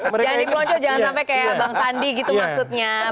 jangan dipeloncok jangan sampai kayak bang sandi gitu maksudnya